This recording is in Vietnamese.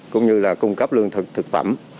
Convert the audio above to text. cũng như là cung cấp lương thực phẩm